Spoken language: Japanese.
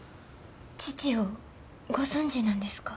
父をご存じなんですか？